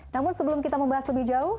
namun sebelum kita membahas lebih jauh